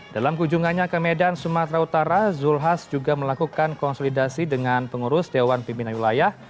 dalam kunjungannya ke medan sumatera utara zulkifli hasan juga melakukan konsolidasi dengan pengurus dewan pimpinan wilayah